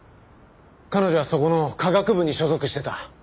彼女はそこの化学部に所属してた。